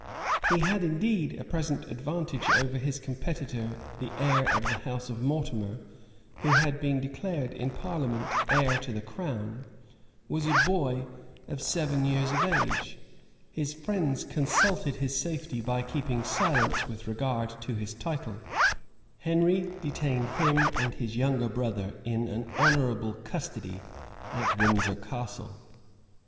He had indeed a present advantage over his competitor: the heir of the house of Mortimer, who had been declared in parliament heir to the crown, was a boy of seven years of age:[*] his friends consulted his safety by keeping silence with regard to his title: Henry detained him and his younger brother in an honorable custody at Windsor Castle. * Dugdale, vol. i. p. 151.